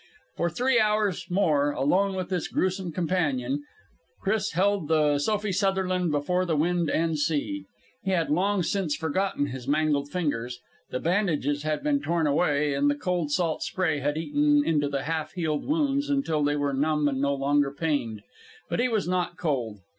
For three hours more, alone with this gruesome companion, Chris held the Sophie Sutherland before the wind and sea. He had long since forgotten his mangled fingers. The bandages had been torn away, and the cold, salt spray had eaten into the half healed wounds until they were numb and no longer pained. But he was not cold.